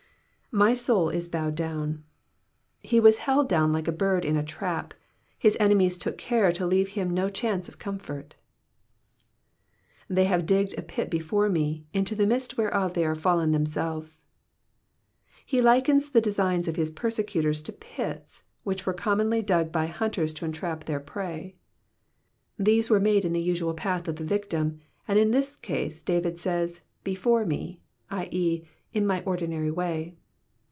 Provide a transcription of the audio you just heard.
^''My soul is bowed down,'''* He was held down like a bird in a trap ; his enemies took care to leave him no chance of comfort. '^^Th^ have digged a pit before me, into the midst whereof they are fallen themselves.'^ ^ He likens the designs of his persecutors to pits, which were commonly dug by hunters to entrap their prey ; these were made in the usual path of the victim, and in this case David says, '*• btfore m«," t.«., in my ordinary way.